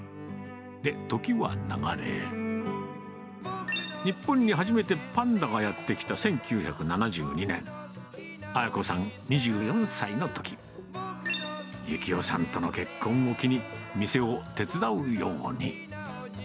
で、時は流れ、日本に初めてパンダがやって来た１９７２年、あや子さん２４歳のとき、幸男さんとの結婚を機に、店を手伝うように。